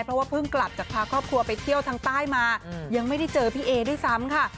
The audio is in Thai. เพราะว่าเพิ่งกลับจากพาครอบครัวไปเที่ยวทางใต้มายังไม่ได้เจอพี่เอด้วยซ้ำค่ะ